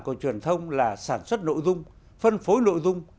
của truyền thông là sản xuất nội dung phân phối nội dung